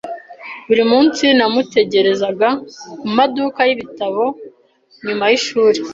Buri munsi namutegerezaga kumaduka yibitabo nyuma yishuri.